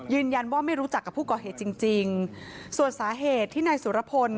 ยืนยันว่าไม่รู้จักกับผู้ก่อเหตุจริงจริงส่วนสาเหตุที่นายสุรพล